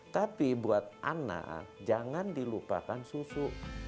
tapi buat anak jangan dilupakan susu